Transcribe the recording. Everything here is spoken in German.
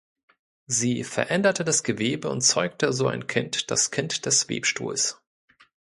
Sie veränderte das Gewebe und zeugte so ein Kind, das Kind des Webstuhls.